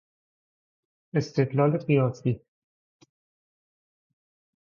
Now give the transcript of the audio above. استدلال قیاسی